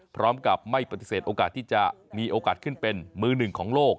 พร้อมกับไม่ปฏิเสธโอกาสที่จะมีโอกาสขึ้นเป็นมือหนึ่งของโลก